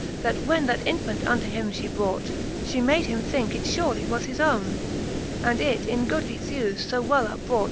That when that infant unto him fhe brought. She made him thinke it furely was his owne. And it in goodly thewes fo well upbrought.